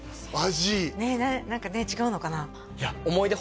何かね違うのかな？